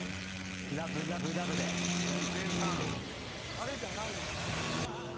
あれじゃないんか？